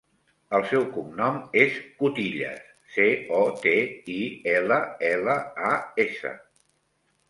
El seu cognom és Cotillas: ce, o, te, i, ela, ela, a, essa.